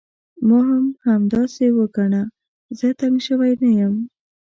ما هم همداسې وګڼه، زه تنګ شوی نه یم.